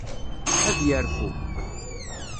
Ad yerfu.